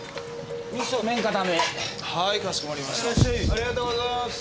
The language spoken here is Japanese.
ありがとうございます。